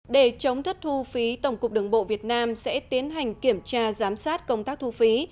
để chống thất thu phí tổng cục đường bộ việt nam sẽ tiến hành kiểm tra giám sát công tác thu phí